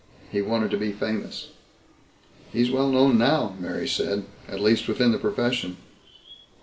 He wanted to be famous." "He's well known now," Mary said, "at least within the profession."